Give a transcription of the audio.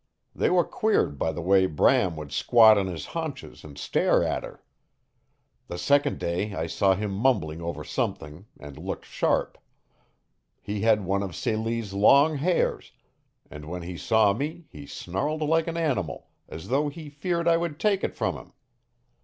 They were queered by the way Bram would squat on his haunches, and stare at her. The second day I saw him mumbling over something, and looked sharp. He had one of Celie's long hairs, and when he saw me he snarled like an animal, as though he feared I would take it from him.